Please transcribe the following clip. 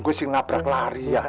gue sih nabrak lari ya